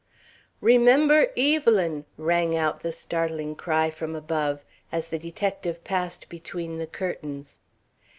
"Remember Evelyn!" rang out the startling cry from above, as the detective passed between the curtains.